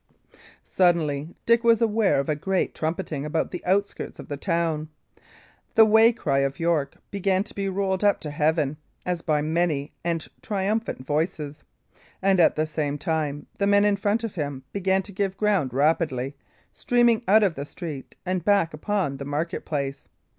Suddenly Dick was aware of a great trumpeting about the outskirts of the town. The war cry of York began to be rolled up to heaven, as by many and triumphant voices. And at the same time the men in front of him began to give ground rapidly, streaming out of the street and back upon the market place.